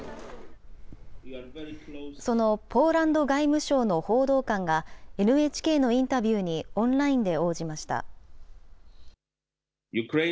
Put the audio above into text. そのポーランド外務省の報道官が、ＮＨＫのインタビューにオンラインで応じました。